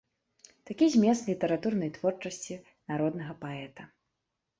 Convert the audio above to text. Такі змест літаратурнай творчасці народнага паэта.